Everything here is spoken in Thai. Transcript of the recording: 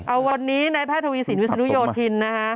เอาวันนี้ในแพทย์ทวีสินวิศนุโยธินนะฮะ